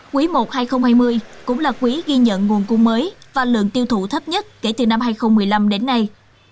quý i hai nghìn hai mươi cũng là quý ghi nhận nguồn cung mới và lượng tiêu thụ thấp nhất kể từ năm hai nghìn một mươi năm đến nay